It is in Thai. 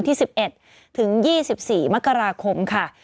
มีสารตั้งต้นเนี่ยคือยาเคเนี่ยใช่ไหมคะ